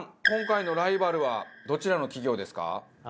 今回のライバルはどちらの企業ですか？